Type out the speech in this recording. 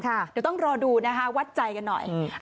เดี๋ยวต้องรอดูนะคะวัดใจกันหน่อย